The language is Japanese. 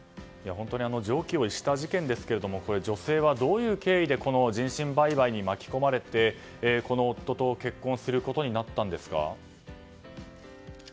常軌を逸した事件ですが女性はどういう経緯でこの人身売買に巻き込まれてこの夫と結婚することになったんですか？